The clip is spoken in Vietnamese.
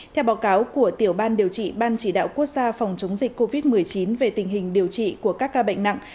theo báo cáo của tiểu ban điều trị ban chỉ đạo quốc gia phòng chống dịch covid một mươi chín về tình hình điều trị của các ca bệnh nặng